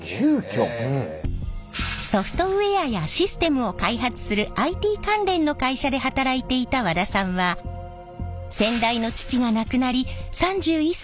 ソフトウエアやシステムを開発するＩＴ関連の会社で働いていた和田さんは先代の父が亡くなり３１歳で社長に。